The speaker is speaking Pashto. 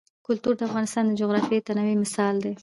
کلتور د افغانستان د جغرافیوي تنوع مثال دی.